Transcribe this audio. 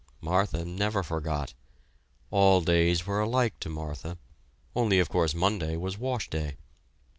Martha never forgot. All days were alike to Martha, only of course Monday was washday.